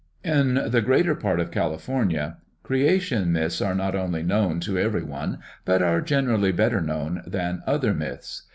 In the greater part of California creation myths are not only known to every one but are generally better known than other myths.